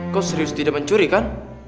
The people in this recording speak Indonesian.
kok serius tidak mencuri kan